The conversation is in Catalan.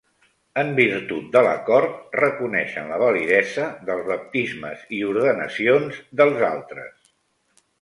En virtut de l'acord, reconeixen la validesa dels baptismes i ordenacions dels altres.